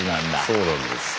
そうなんですよ。